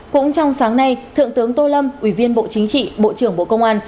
cũng trong sáng nay thượng tướng tô lâm ủy viên bộ chính trị bộ trưởng bộ công an